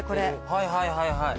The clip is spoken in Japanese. はいはいはいはい。